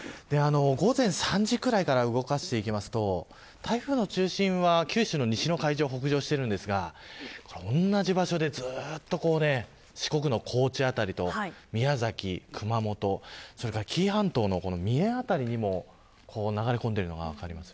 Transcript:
午前３時くらいから動かしていくと台風の中心は九州の西の海上を北上していますが同じ場所でずっと四国の高知辺りと宮崎、熊本紀伊半島の三重辺りにも流れ込んでいるのが分かります。